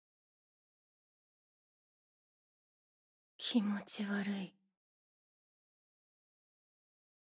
気持ち悪い。